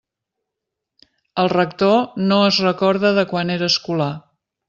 El rector no es recorda de quan era escolà.